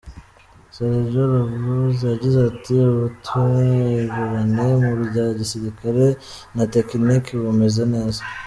Sergueï Lavrov yagize ati:“ubutwererane mu rya gisirikare na Tekiniki bumeze neza.